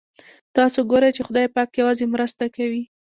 تاسو ګورئ چې خدای پاک یوازې مرسته کوي.